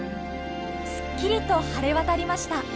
すっきりと晴れ渡りました。